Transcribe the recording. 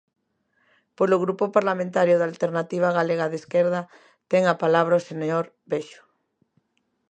Polo Grupo Parlamentario da Alternativa Galega de Esquerda, ten a palabra o señor Bexo.